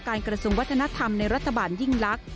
กระทรวงวัฒนธรรมในรัฐบาลยิ่งลักษณ